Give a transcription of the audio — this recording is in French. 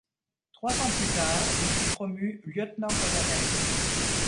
Trois ans plus tard, il fut promu lieutenant-colonel.